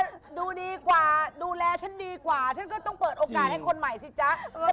ดูดีกว่าดูแลฉันดีกว่าฉันก็ต้องเปิดโอกาสให้คนใหม่สิจ๊ะ